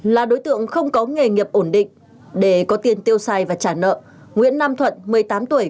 là đối tượng không có nghề nghiệp ổn định để có tiền tiêu xài và trả nợ nguyễn nam thuận một mươi tám tuổi